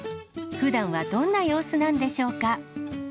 ふだんはどんな様子なんでしょうか。